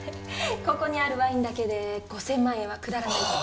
ここにあるワインだけで５０００万円は下らないと。